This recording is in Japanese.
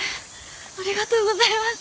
ありがとうございます。